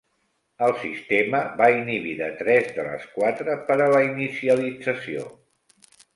El sistema va inhibir de tres de les quatre per a la inicialització.